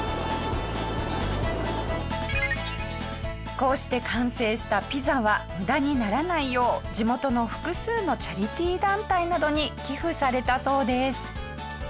こうして完成したピザは無駄にならないよう地元の複数のチャリティー団体などに寄付されたそうです。